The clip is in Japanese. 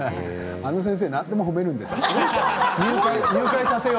あの先生は何でも褒めるんですよ。